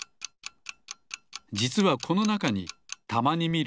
じつはこのなかにたまにみる